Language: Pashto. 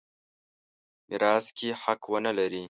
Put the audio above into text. میراث کې حق ونه لري.